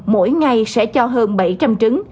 mỗi ngày sẽ cho hơn bảy trăm linh trứng